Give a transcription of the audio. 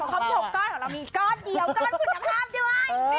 ของเรามีก้อนเดียวก้อนผุดช้ำห้าพด้วย